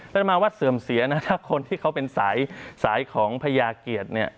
ท่านมาวัดเสื่อมเสียนะถ้าคนที่เขาเป็นสายของพญาเกียรติเนี่ย